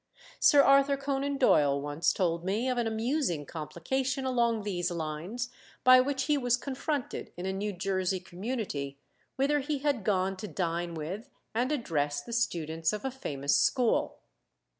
Sir Arthur Conan Doyle once told me of an amusing complication along these lines by which he was confronted in a New Jersey community, whither he had gone to dine with and address the students of a famous school.